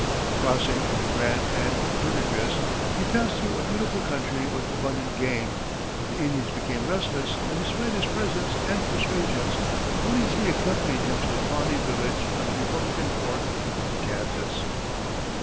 Crossing the Grand and Verdigris he passed through a beautiful country with abundant game, but the Indians became restless, and despite his presents and persuasions, only three accompanied him to the Pawnee village on the Republican fork of the Kansas.